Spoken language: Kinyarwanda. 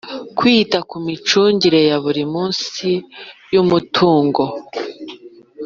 Kwita ku micungire ya buri munsi y’ umutungo